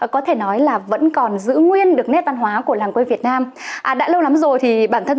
có thể nói là vẫn còn giữ nguyên được nét văn hóa của làng quê việt nam đã lâu lắm rồi thì bản thân